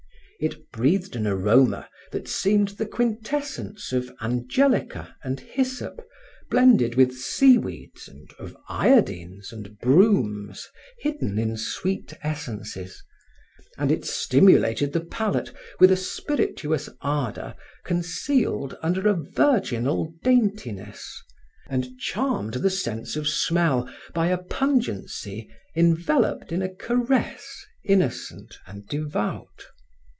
It breathed an aroma that seemed the quintessence of angelica and hyssop blended with sea weeds and of iodines and bromes hidden in sweet essences, and it stimulated the palate with a spiritous ardor concealed under a virginal daintiness, and charmed the sense of smell by a pungency enveloped in a caress innocent and devout.